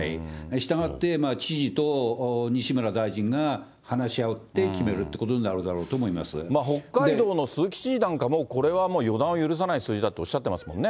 したがって知事と西村大臣が話し合って決めるということになるだ北海道の鈴木知事なんかも、これはもう予断を許さない数字だとおっしゃってますもんね。